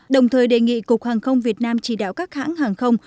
đồng thời đề nghị cục hàng không việt nam chỉ đạo các hãng hàng không